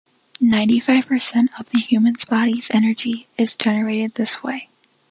Ninety-five percent of the human body's energy is generated this way.